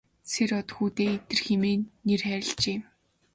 Сэр-Од хүүдээ Идэр хэмээн нэр хайрлажээ.